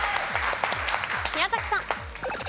宮崎さん。